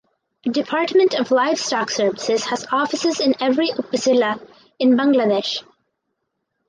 Department of Livestock Services has offices in every upazila in Bangladesh.